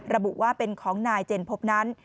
ระบุว่าเป็นของนายเจนพบนั้น